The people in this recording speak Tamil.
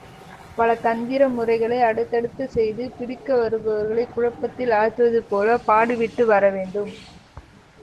பல தந்திர முறைகளை அடுத்தடுத்து செய்து, பிடிக்க வருபவர்களைக் குழப்பத்தில் ஆழ்த்துவது போல பாடிவிட்டு வர வேண்டும்.